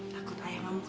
takut ayah mampu lagi